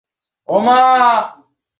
ঘরে গেলে, বউ আরেকদিকে মুখ ফিরিয়ে থাকে।